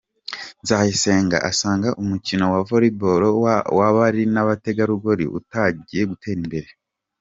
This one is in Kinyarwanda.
Nzayisenga asanga umukino wa Volley ball w’abari n’abategarugori utangiye gutera ibere.